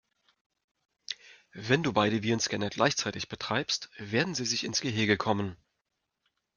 Wenn du beide Virenscanner gleichzeitig betreibst, werden sie sich ins Gehege kommen.